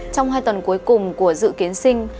trong hai tuần cuối cùng của dự kiến sinh